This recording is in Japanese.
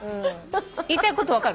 言いたいこと分かる？